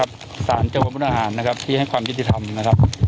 รับสารเจ้าบนพุทธอาหารนะครับที่ให้ความยุติธรรมนะครับ